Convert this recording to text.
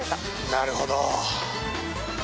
なるほど。